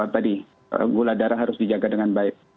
tadi gula darah harus dijaga dengan baik